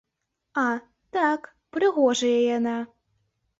А, так, прыгожая яна.